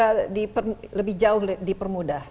lebih jauh dipermudah